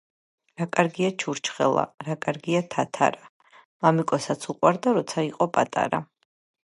რა კარგია ჩურჩხელა, რა კაია თათარა მამიკოსაც უყვარდა როცა იყო პატარა.